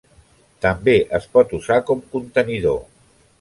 També es pot usar com contenidor.